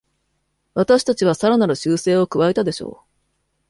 私たちはさらなる修正を加えたでしょう